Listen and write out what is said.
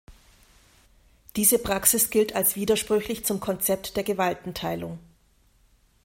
Diese Praxis gilt als widersprüchlich zum Konzept der Gewaltenteilung.